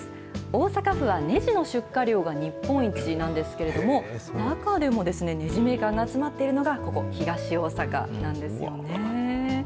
大阪府はねじの出荷量が日本一なんですけれども、中でもねじメーカーの集まっているのがここ、東大阪なんですよね。